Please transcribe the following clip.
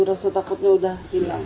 rasa takutnya udah hilang